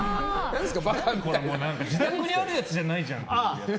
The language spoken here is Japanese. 自宅にあるやつじゃないじゃんっていうやつ。